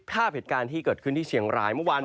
ภาพเหตุการณ์ที่เกิดขึ้นที่เชียงรายเมื่อวาน